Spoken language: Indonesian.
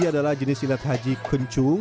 adalah jenis silat haji kencung